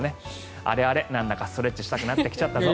あれあれ、なんだかストレッチしたくなってきたぞ。